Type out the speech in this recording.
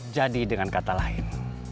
jadi dengan kata lain